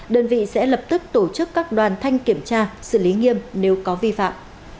đơn vị sẽ lập tức tổ chức các đoàn thanh kiểm tra xử lý nghiêm nếu có vi phạm